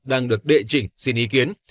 đang được đệ chỉnh xin ý kiến